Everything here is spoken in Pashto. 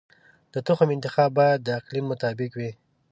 د تخم انتخاب باید د اقلیم مطابق وي.